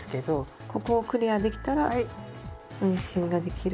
ここをクリアできたら運針ができる。